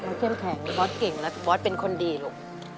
เข้มแข็งบอสเก่งและบอสเป็นคนดีลูก